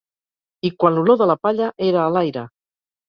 I quan l'olor de la palla era a l'aire!